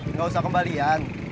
nggak usah kembalian